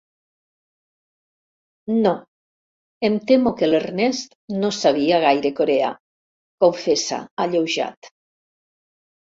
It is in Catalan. No, em temo que l'Ernest no sabia gaire coreà —confessa alleujat—.